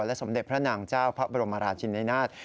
สมเด็จพระนางเจ้าพระบรมราชินินาศ